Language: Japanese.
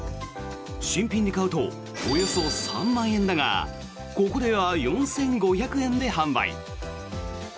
新品で買うとおよそ３万円だがここでは４５００円で販売。